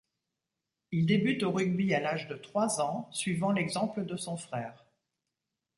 Il débute au rugby à l'âge de trois ans, suivant l'exemple de son frère.